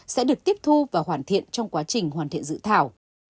sẽ được tiếp thu và hoàn thiện trong quá trình hoàn thiện dự thảo